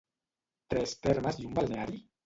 Tres termes i un balneari?